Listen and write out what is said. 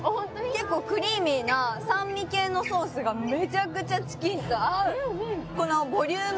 結構クリーミーな酸味系のソースがめちゃくちゃチキンと合うこのボリューム